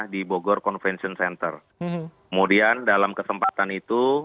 di bogor convention center kemudian dalam kesempatan itu